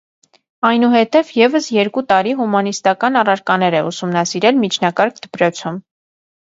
Այնուհետև ևս երկու տարի հումանիստական առարկաներ է ուսումնասիրել միջնակարգ դպրոցում։